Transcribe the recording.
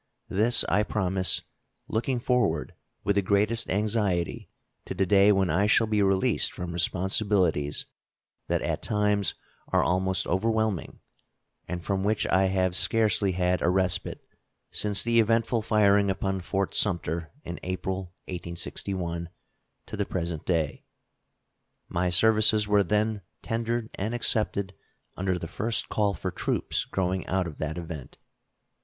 This I promise, looking forward with the greatest anxiety to the day when I shall be released from responsibilities that at times are almost overwhelming, and from which I have scarcely had a respite since the eventful firing upon Fort Sumter, in April, 1861, to the present day. My services were then tendered and accepted under the first call for troops growing out of that event.